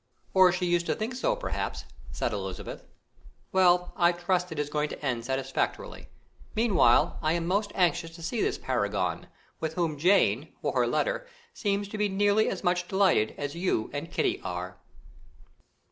"Or she used to think so, perhaps?" said Elizabeth. "Well, I trust it is going to end satisfactorily; meantime, I am most anxious to see this paragon, with whom Jane, for her letter, seems to be nearly as much delighted as you and Kitty are."